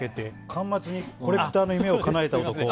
巻末にコレクターの夢をかなえた男。